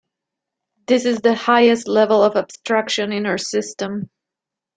This is the highest level of abstraction in our system.